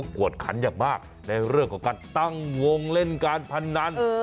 กวดขันอย่างมากในเรื่องของการตั้งวงเล่นการพนัน